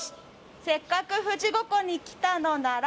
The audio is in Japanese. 「せっかく富士五湖に来たのなら」